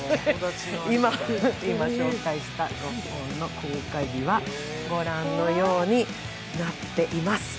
今、紹介した５本の公開はご覧のようになっています。